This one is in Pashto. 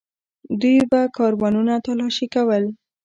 دوی به کاروانونه تالاشي کول.